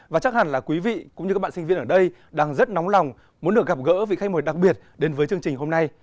và chắc hẳn là quý vị cũng như các bạn sinh viên ở đây đang rất nóng lòng muốn được gặp gỡ vị khách mời đặc biệt đến với chương trình hôm nay